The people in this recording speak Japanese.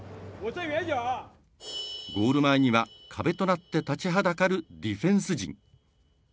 ゴール前には壁となって立ちはだかるディフェンス陣。